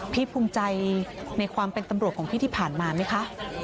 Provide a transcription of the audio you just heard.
ภูมิใจในความเป็นตำรวจของพี่ที่ผ่านมาไหมคะ